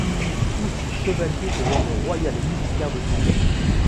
Il fut aussi chevalier de l'ordre royal et militaire de Saint-Louis.